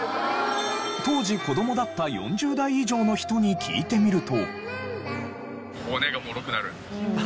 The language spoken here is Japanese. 当時子供だった４０代以上の人に聞いてみると。